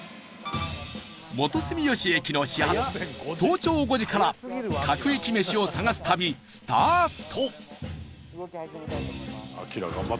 元住吉駅の始発早朝５時から各駅めしを探す旅、スタート